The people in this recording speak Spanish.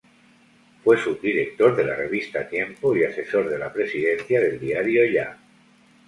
Fue subdirector de la revista "Tiempo" y asesor de la presidencia del diario "Ya".